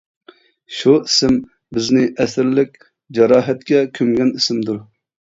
شۇ ئىسىم بىزنى ئەسىرلىك جاراھەتكە كۆمگەن ئىسىمدۇر.